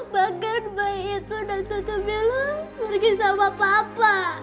bagaimana baik itu dan tante bella pergi sama papa